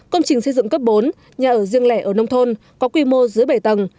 công trình xây dựng cấp bốn nhà ở riêng lẻ ở nông thôn có quy mô dưới bảy tầng